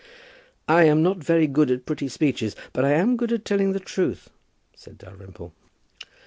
"I am not very good at pretty speeches, but I am good at telling the truth," said Dalrymple.